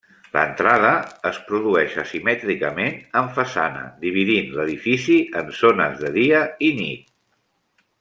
L'entrada es produeix asimètricament en façana dividint l'edifici en zones de dia i nit.